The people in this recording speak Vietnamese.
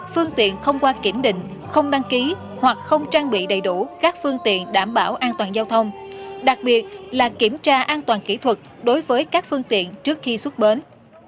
phương tiện không qua kiểm định không đăng ký hoặc không trang bị đầy đủ các phương tiện đảm bảo an toàn giao thông đặc biệt là kiểm tra an toàn kỹ thuật đối với các phương tiện trước khi xuất bến